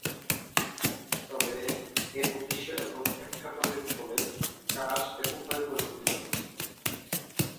তবে, এর উদ্দেশ্য এবং প্রেক্ষাপটে ফলে কাজ ব্যাপকভাবে পরিবর্তিত হবে।